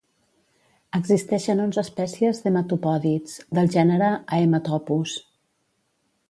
Existeixen onze espècies d'hematopòdids, del gènere Haematopus.